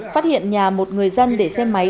phát hiện nhà một người dân để xem máy